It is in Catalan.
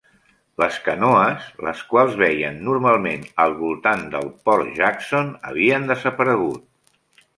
Les canoes, les quals veien normalment al voltant del Port Jackson, havien desaparegut.